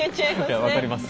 いや分かります